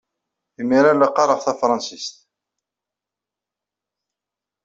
Imir-a, la qqareɣ tafṛensist.